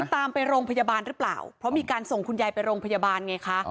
ตามไปโรงพยาบาลหรือเปล่าเพราะมีการส่งคุณยายไปโรงพยาบาลไงคะ